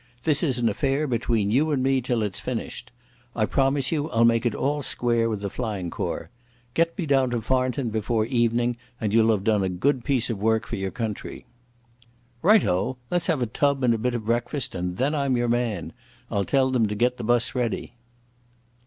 This is an affair between you and me till it's finished. I promise you I'll make it all square with the Flying Corps. Get me down to Farnton before evening, and you'll have done a good piece of work for the country." "Right o! Let's have a tub and a bit of breakfast, and then I'm your man. I'll tell them to get the bus ready."